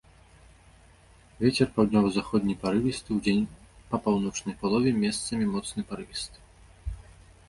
Вецер паўднёва-заходні парывісты, удзень па паўночнай палове месцамі моцны парывісты.